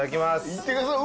いってください。